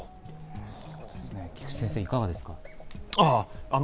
菊地先生、いかがですか？